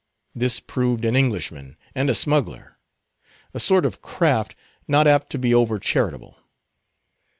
This proved an Englishman, and a smuggler; a sort of craft not apt to be over charitable.